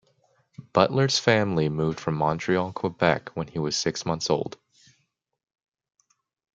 Butler's family moved to Montreal, Quebec, when he was six months old.